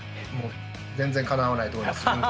全然かなわないと思います。